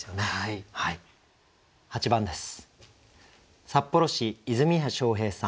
８番です。